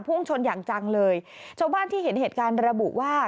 พุ่งชนอย่างจังเลยชาวบ้านที่เห็นเหตุการณ์ระบุว่า